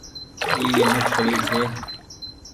اي اينڪ پڙي ڇي۔